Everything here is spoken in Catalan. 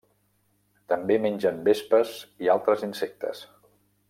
També mengen vespes i altres insectes.